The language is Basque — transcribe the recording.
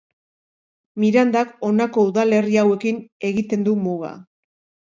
Mirandak honako udalerri hauekin egiten du muga.